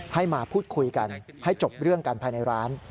ให้มาพูดคุยกันให้จบเรื่องกันภายในร้าน